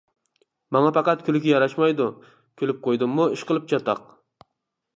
ماڭا پەقەت كۈلكە ياراشمايدۇ، كۈلۈپ قويدۇممۇ ئىشقىلىپ چاتاق.